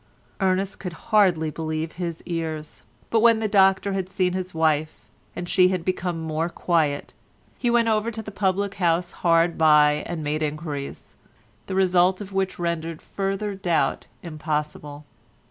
Ernest could hardly believe his ears, but when the doctor had seen his wife and she had become more quiet, he went over to the public house hard by and made enquiries, the result of which rendered further doubt impossible.